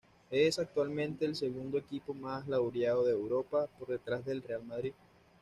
Es actualmente el segundo equipo más laureado de Europa, por detrás del Real Madrid.